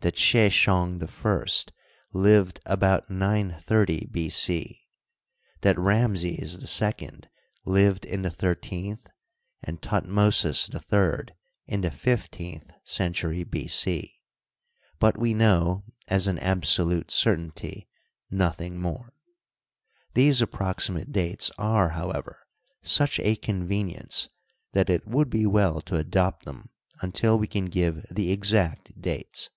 that Sheshong I lived about 930 B. C, that Ramses II lived in the thirteenth and Thutmosis III in the fifteenth century B. c, but we know, as an absolute certainty, noth ing more. These approximate dates are, however, such a convenience that it would be well to adopt them until we can give the exact dates.